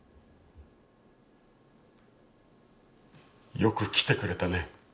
よく来てくれたね。